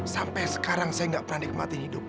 sampai sekarang saya gak pernah nikmatin hidup